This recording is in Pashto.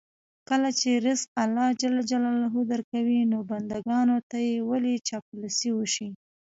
کله چې رزق الله ج درکوي، نو بندګانو ته یې ولې چاپلوسي وشي.